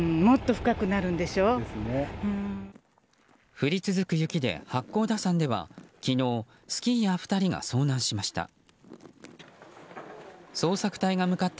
降り続く雪で八甲田山では昨日、スキーヤー２人が遭難しました。